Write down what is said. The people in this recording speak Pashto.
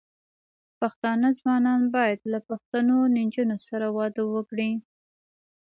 پښتانه ځوانان بايد له پښتنو نجونو سره واده وکړي.